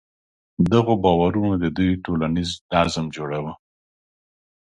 دغو باورونو د دوی ټولنیز نظم جوړاوه.